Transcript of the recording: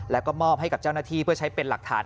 แล้วก็มอบให้กับเจ้าหน้าที่เพื่อใช้เป็นหลักฐาน